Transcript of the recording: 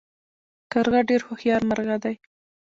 کارغه ډیر هوښیار مرغه دی